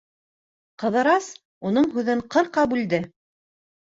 Ҡыҙырас уның һүҙен ҡырҡа бүлде: